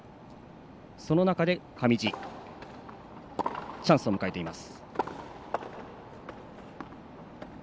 その中で、上地チャンスを迎えています。